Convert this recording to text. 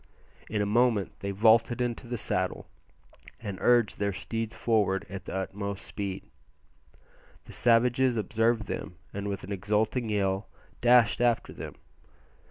In a moment they vaulted into the saddle and urged their steeds forward at the utmost speed. The savages observed them, and with an exulting yell dashed after them.